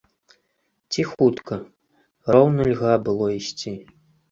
Ціхутка, роўна льга было ісці.